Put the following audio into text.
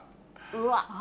うわっ。